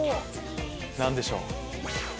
何でしょう？